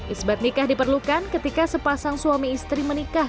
isbat nikah diperlukan ketika sepasang suami istri menikah